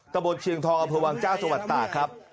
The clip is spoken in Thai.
ตะบดเชียงทอพวังเจ้าสวัสดิ์ครับ